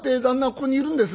ここにいるんです？」。